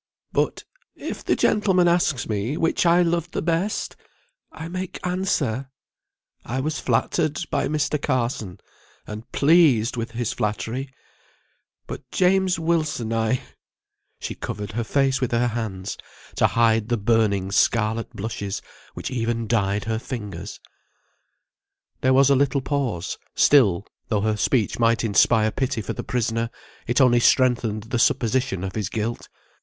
"But, if the gentleman asks me which I loved the best, I make answer, I was flattered by Mr. Carson, and pleased with his flattery; but James Wilson I " She covered her face with her hands, to hide the burning scarlet blushes, which even dyed her fingers. There was a little pause; still, though her speech might inspire pity for the prisoner, it only strengthened the supposition of his guilt.